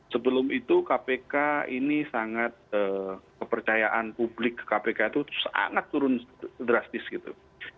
sebelum itu kpk ini sangat kepercayaan publik ke kpk itu sangat turun drastis gitu